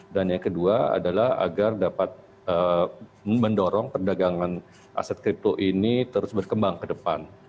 dan yang kedua adalah agar dapat mendorong perdagangan aset kripto ini terus berkembang ke depan